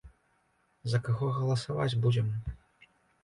За каго галасаваць будзем?